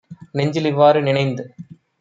நெஞ்சிலிவ் வாறு - நினைந்